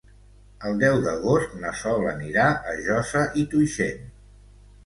El deu d'agost na Sol anirà a Josa i Tuixén.